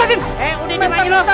eh udah jangan